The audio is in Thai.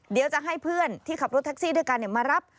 เดี๋ยวจะให้เพื่อนที่ขับรถแท็กซี่ด้วยกันมารับ